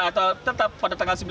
atau tetap pada tanggal sembilan